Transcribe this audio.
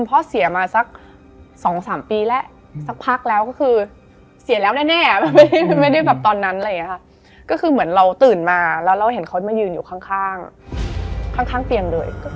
อันนี้มุมเราไม่รู้นะทุกคนก็มาปกติเลย